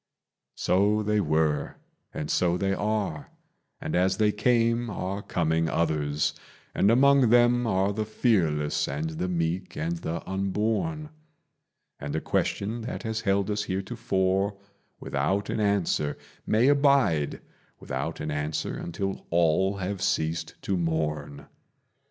So they were, and so they are; and as they came are coming others, And among them are the fearless and the meek and the unborn; And a question that has held us heretofore without an answer May abide without an answer until all have ceased to mourn.